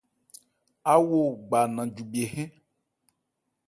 Awo gba Nanjwibhye hɛ́n.